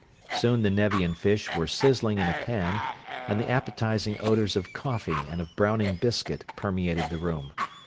Soon the Nevian fish were sizzling in a pan and the appetizing odors of coffee and of browning biscuit permeated the room.